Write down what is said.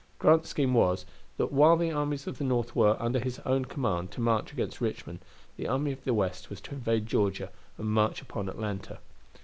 Grant's scheme was, that while the armies of the North were, under his own command, to march against Richmond, the army of the West was to invade Georgia and march upon Atlanta.